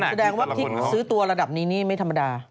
แสดงว่าที่ซื้อตัวระดับนี้นี่ไม่ธรรมดา